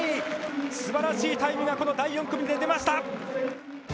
すばらしいタイムが、この第４組で出ました。